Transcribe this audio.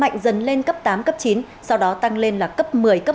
cấp một mươi cấp một mươi một giật cấp một mươi ba